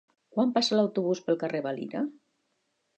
Quan passa l'autobús pel carrer Valira?